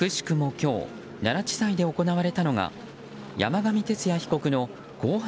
今日奈良地裁で行われたのが山上徹也被告の公判